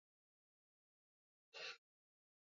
Ana uwezo mkubwa wa kufanya aonekane ni mwanasiasa wa kawaida